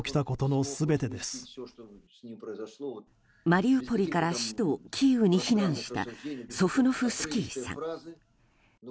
マリウポリから首都キーウに避難した、ソフノフスキーさん。